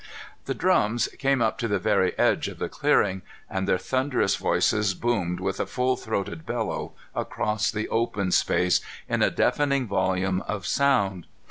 The drums came up to the very edge of the clearing, and their thunderous voices boomed with a full throated bellow across the open space in a deafening volume of sound.